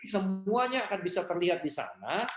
semuanya akan bisa terlihat di sana